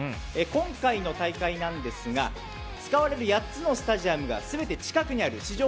今回の大会ですが使われる８つのスタジアムが全て近くにある史上